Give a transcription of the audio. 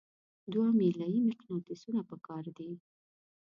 دوه میله یي مقناطیسونه پکار دي.